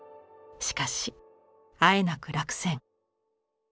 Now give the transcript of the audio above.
しかしあえなく落選。